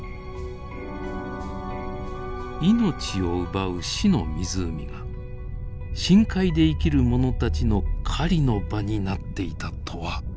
命を奪う死の湖が深海で生きるものたちの狩りの場になっていたとは。